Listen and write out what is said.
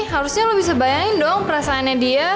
harusnya lo bisa bayangin dong perasaannya dia